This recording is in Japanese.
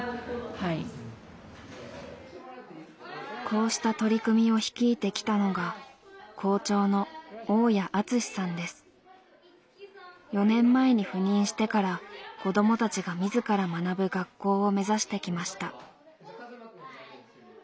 こうした取り組みを率いてきたのが４年前に赴任してから子どもたちが自ら学ぶ学校を目指してきました。